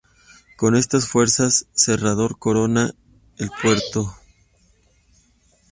Con estas fuerzas, Serrador corona el puerto.